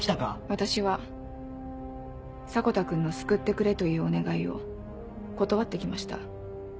私は迫田君の「救ってくれ」というお願いを断ってきました。